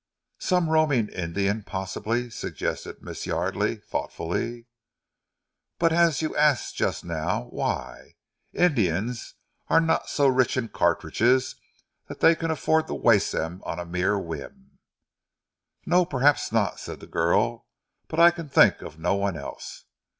"Some roaming Indian possibly," suggested Miss Yardely thoughtfully. "But as you asked just now, why? Indians are not so rich in cartridges that they can afford to waste them on a mere whim." "No, perhaps not," said the girl. "But I can think of no one else."